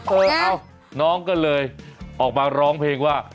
เอ้าน้องก็เลยออกมาร้องเพลงว่า